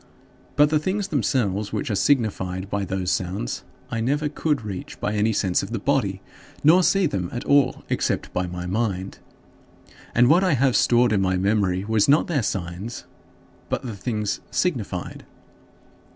But the things themselves which were signified by those sounds I never could reach by any sense of the body nor see them at all except by my mind. And what I have stored in my memory was not their signs, but the things signified.